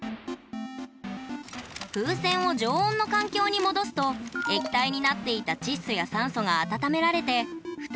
風船を常温の環境に戻すと液体になっていた窒素や酸素が温められて再び気体に。